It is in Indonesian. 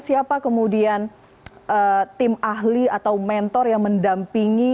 siapa kemudian tim ahli atau mentor yang mendampingi